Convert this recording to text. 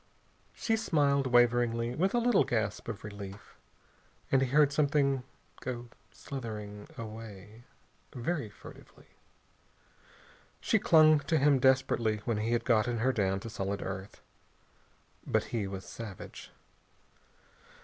She smiled waveringly, with a little gasp of relief, and he heard something go slithering away, very furtively. She clung to him desperately when he had gotten her down to solid earth. But he was savage.